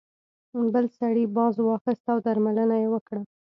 بل سړي باز واخیست او درملنه یې وکړه.